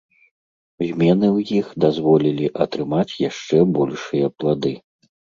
Змены ў іх дазволілі атрымаць яшчэ большыя плады.